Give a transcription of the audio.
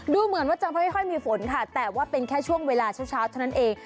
ดูเหมือนว่าจะไม่ค่อยมีฝนค่ะแต่ว่าเป็นแค่ช่วงเวลาเช้าเท่านั้นเอง